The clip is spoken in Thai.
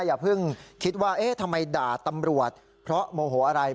อย่าเพิ่งคิดว่าเอ๊ะทำไมด่าตำรวจเพราะโมโหอะไร